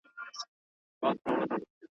ښا پیرۍ د کوهِ قاف دا یې منتر دئ